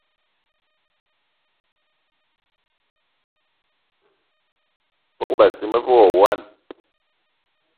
Bogb-assi me ve wo wine.